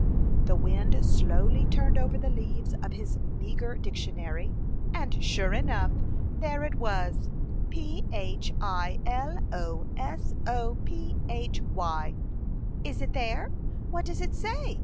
The wind slowly turned over the leaves of his meagre dictionary, and, sure enough, there it was, —'' p h i 1 o s o p h y." "Is it there? What does it say?"